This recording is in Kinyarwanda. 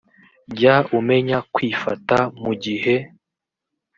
jya umenya kwifata mu gihe